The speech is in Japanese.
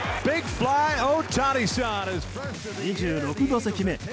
２６打席目。